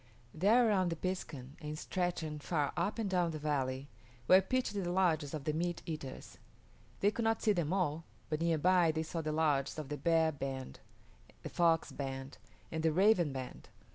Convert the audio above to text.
There around the piskun, and stretching far up and down the valley, were pitched the lodges of the meat eaters. They could not see them all, but near by they saw the lodges of the Bear band, the Fox band, and the Raven band.